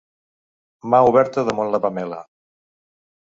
Mà oberta damunt la pamela.